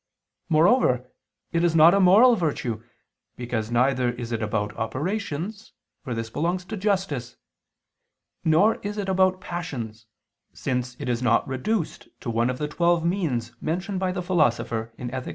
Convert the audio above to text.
Moreover it is not a moral virtue, because neither is it about operations, for this belongs to justice; nor is it about passions, since it is not reduced to one of the twelve means mentioned by the Philosopher (Ethic.